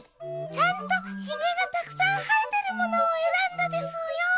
ちゃんとひげがたくさんはえてるものをえらんだでスーよ。